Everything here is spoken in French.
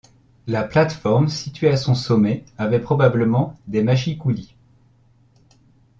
La plate-forme située à son sommet avait probablement des mâchicoulis.